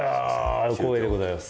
光栄でございます。